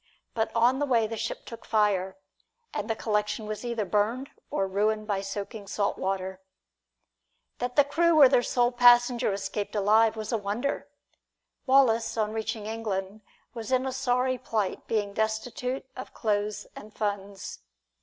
But on the way the ship took fire, and the collection was either burned or ruined by soaking salt water. That the crew and their sole passenger escaped alive was a wonder. Wallace on reaching England was in a sorry plight, being destitute of clothes and funds.